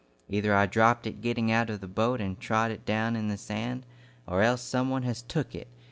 "Either I dropped it getting out of the boat and trod it down in the sand, or else some one has took it.